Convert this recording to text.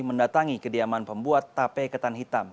mendatangi kediaman pembuat tape ketan hitam